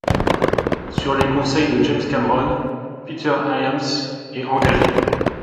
Sur les conseils de James Cameron, Peter Hyams est engagé.